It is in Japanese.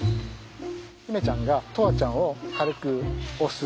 媛ちゃんが砥愛ちゃんを軽く押す。